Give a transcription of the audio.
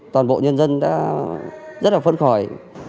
toàn bộ nhân dân đã rất là phẫn khỏi